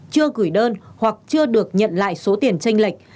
chưa gửi đơn hoặc chưa được nhận lại số tiền tranh lệch